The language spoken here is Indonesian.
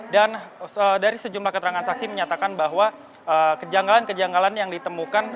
dan dari sejumlah keterangan saksi menyatakan bahwa kejanggalan kejanggalan yang ditemukan